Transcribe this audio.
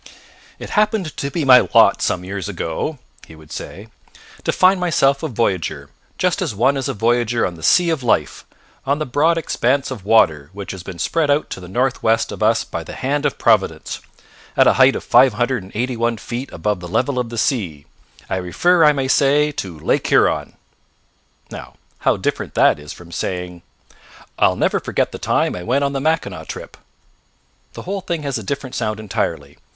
"It happened to be my lot some years ago," he would say, "to find myself a voyager, just as one is a voyager on the sea of life, on the broad expanse of water which has been spread out to the north west of us by the hand of Providence, at a height of five hundred and eighty one feet above the level of the sea, I refer, I may say, to Lake Huron." Now, how different that is from saying: "I'll never forget the time I went on the Mackinaw trip." The whole thing has a different sound entirely.